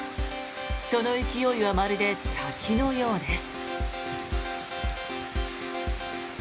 その勢いはまるで滝のようです。